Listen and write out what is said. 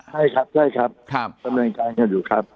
ใช่ครับใช่ครับดำเนินการกันอยู่ครับ